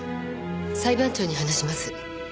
裁判長に話します。